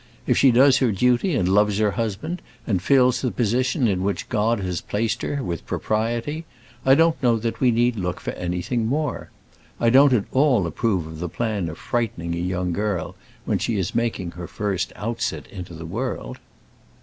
"If she does her duty, and loves her husband, and fills the position in which God has placed her with propriety, I don't know that we need look for anything more. I don't at all approve of the plan of frightening a young girl when she is making her first outset into the world."